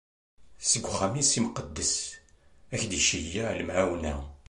Seg uxxam-is imqeddes, ad ak-d-iceyyeɛ lemɛawna.